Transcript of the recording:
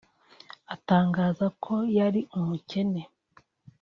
atangaza ko yari umukene